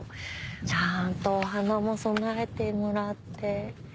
ちゃんとお花も供えてもらって。